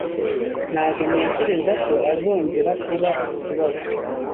Ntabwo ntekereza ko azongera kuba ikibazo.